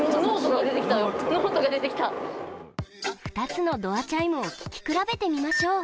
２つのドアチャイムを聞き比べてみましょう。